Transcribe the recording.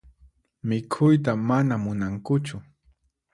Mikhuyta mana munankuchu.